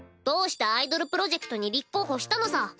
どうしてアイドルプロジェクトに立候補したのさ？